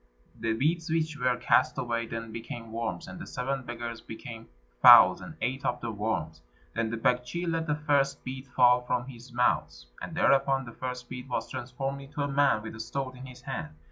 The beads which were cast away then became worms, and the seven beggars became fowls and ate up the worms. Then the Baktschi let the first bead fall from his mouth, and thereupon the first bead was transformed into a man with a sword in his hand.